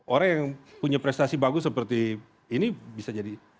orang yang punya prestasi bagus seperti ini bisa jadi